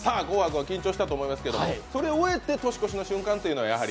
「紅白」は緊張したと思いますけど、それ終えて年越しの瞬間は？